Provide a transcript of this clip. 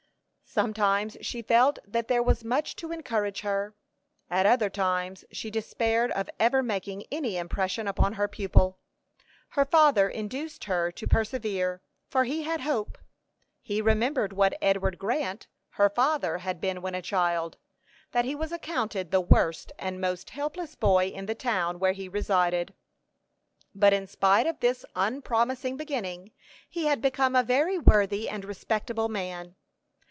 Sometimes she felt that there was much to encourage her, at other times she despaired of ever making any impression upon her pupil. Her father induced her to persevere, for he had hope. He remembered what Edward Grant, her father, had been when a child; that he was accounted the worst and most hopeless boy in the town where he resided; but in spite of this unpromising beginning, he had become a very worthy and respectable man.